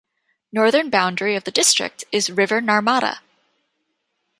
Northern boundary of the district is river Narmada.